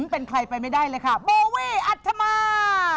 เป็นใครไปไม่ได้เลยค่ะโบวี่อัธมา